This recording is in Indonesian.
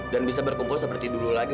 dan bisa berkumpul seperti dulu lagi